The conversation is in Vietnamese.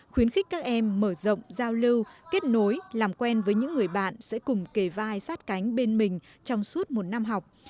khuyến khích các em mở rộng giao lưu kết nối làm quen với những người bạn sẽ cùng kề vai sát cánh bên mình trong suốt một năm học